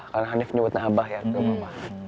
karena hanif nyebutnya abah ya bukan mama